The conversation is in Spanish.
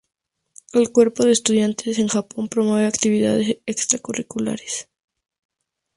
El cuerpo de estudiantes en Japón promueve actividades extracurriculares.